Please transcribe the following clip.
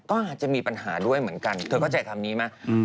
ก็อาจจะมีปัญหาด้วยเหมือนกันเธอเข้าใจคำนี้ไหม